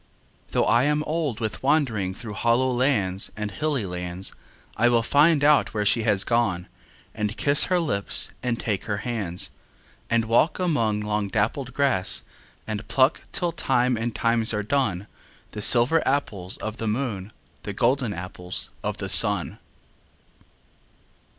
Though I am old with wandering Through hollow lands and hilly lands, I will find out where she has gone, And kiss her lips and take her hands; And walk among long dappled grass, And pluck till time and times are done The silver apples of the moon, The golden apples of the sun.